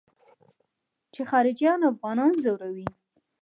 چې خارجيان افغانان ځوروي.